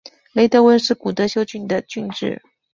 雷德温是古德休郡的郡治。